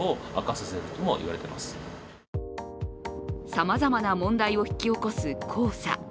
さまざまな問題を引き起こす黄砂。